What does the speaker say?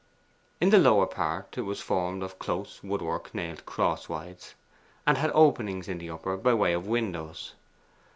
In the lower part it was formed of close wood work nailed crosswise, and had openings in the upper by way of windows.